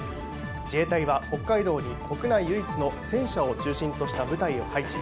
自衛隊は北海道に国内唯一の戦車を中心とした部隊を配置。